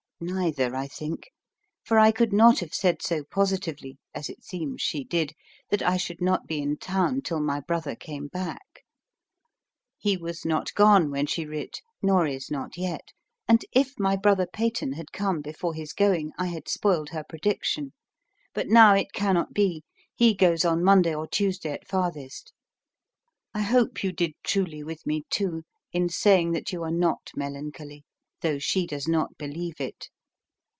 Neither, I think; for I could not have said so positively (as it seems she did) that I should not be in town till my brother came back: he was not gone when she writ, nor is not yet; and if my brother Peyton had come before his going, I had spoiled her prediction. But now it cannot be; he goes on Monday or Tuesday at farthest. I hope you did truly with me, too, in saying that you are not melancholy (though she does not believe it).